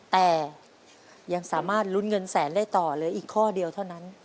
แต่ยังสามารถลุ้นเงินแสนได้ต่อเหลืออีกข้อเดียวเท่านั้น